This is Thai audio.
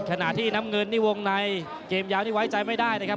ขณะที่น้ำเงินนี่วงในเกมยาวนี่ไว้ใจไม่ได้นะครับ